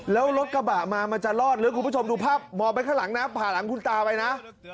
แล้วรถกระบะมามันจะรอดหรือคุณผู้ชมดูภาพมองไปข้างหลังนะผ่าหลังคุณตาไปนะ